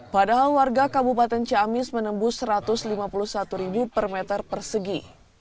padahal warga kabupaten ciamis menembus satu ratus lima puluh satu per meter persegi